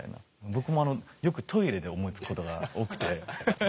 僕もあのよくトイレで思いつくことが多くてアハハッ。